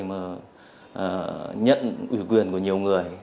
mà nhận ủy quyền của nhiều người